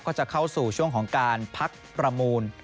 ก็จะเข้าสู่ช่วงของการพักประมูล